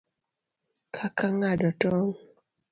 Kaka ng'ado tong',